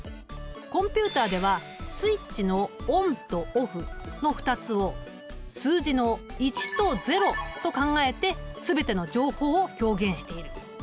コンピュータではスイッチのＯＮとＯＦＦの２つを数字の１と０と考えて全ての情報を表現している。